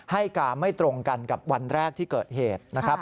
ให้การไม่ตรงกันกับวันแรกที่เกิดเหตุนะครับ